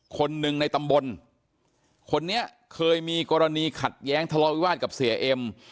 คนหนึ่งในตำบลคนนี้เคยมีกรณีขัดแย้งทะเลาวิวาสกับเสียเอ็ม